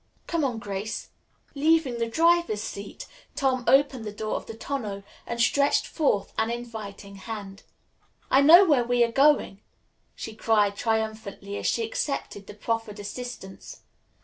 "Come on, Grace." Leaving the driver's seat, Tom opened the door of the tonneau and stretched forth an inviting hand. "I know where we are going," she cried triumphantly, as she accepted the proffered assistance.